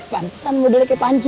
gantusan modelnya kayak panji